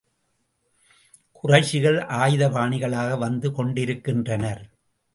குறைஷிகள் ஆயுதபாணிகளாக வந்து கொண்டிருக்கின்றனர்.